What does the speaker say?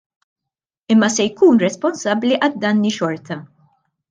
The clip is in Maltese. Imma se jkun responsabbli għad-danni xorta.